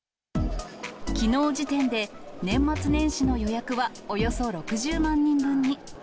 きのう時点で年末年始の予約はおよそ６０万人分に。